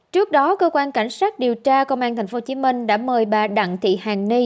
trước đó cơ quan cảnh sát điều tra công an tp hcm đã mời bà đặng thị hàng ni